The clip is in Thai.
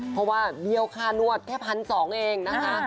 เพราะว่าเบี้ยวค่านวดแค่๑๒๐๐เองนะคะ